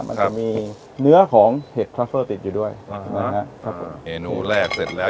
มันจะมีเนื้อของเห็ดคลัสเตอร์ติดอยู่ด้วยอ่านะฮะครับผมเมนูแรกเสร็จแล้ว